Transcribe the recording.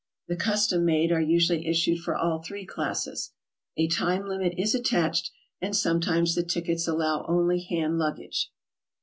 The custom made are usually issued for all three classes. A time limit is attached, and sometimes the tickets allow only hand luggage.